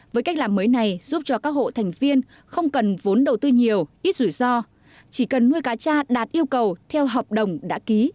với cách làm mới này giúp cho các hộ thành viên không cần vốn đầu tư nhiều ít rủi ro chỉ cần nuôi cá cha đạt yêu cầu theo hợp đồng đã ký